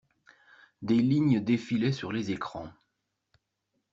Des lignes défilaient sur les écrans.